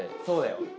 そうだよ。